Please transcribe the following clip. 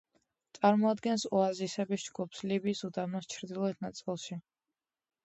წარმოადგენს ოაზისების ჯგუფს ლიბიის უდაბნოს ჩრდილოეთ ნაწილში.